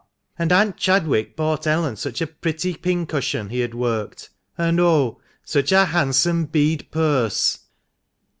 And Aunt Chadwick bought Ellen such a pretty pincushion he had worked, and, oh ! such a handsome bead purse